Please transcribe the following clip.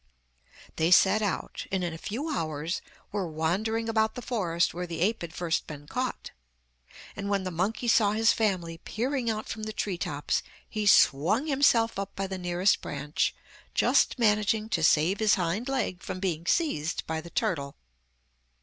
They set out, and in a few hours were wandering about the forest where the ape had first been caught, and when the monkey saw his family peering out from the tree tops, he swung himself up by the nearest branch, just managing to save his hind leg from being seized by the turtle.